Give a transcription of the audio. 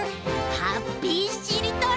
ハッピーしりとり？